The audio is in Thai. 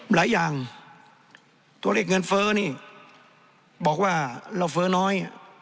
หลายอย่างตัวเลขเงินเฟ้อนี่บอกว่าเราเฟ้อน้อย